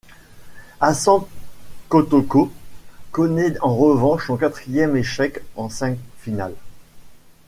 Asante Kotoko connaît en revanche son quatrième échec en cinq finales.